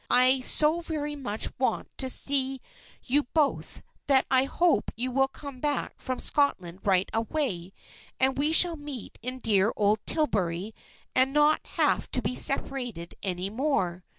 I so very much want to see you both that I hope you will come back from Scotland right away and we shall meet in dear old Tillbury and not have to be separated any more.